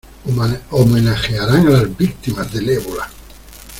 ¡Homenajearán a las víctimas del ébola!